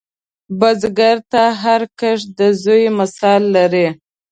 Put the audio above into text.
بزګر ته هر کښت د زوی مثال لري